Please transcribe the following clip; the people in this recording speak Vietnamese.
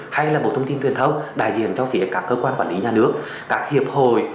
hay là bộ thông tin truyền thông đại diện cho phía các cơ quan quản lý nhà nước các hiệp hội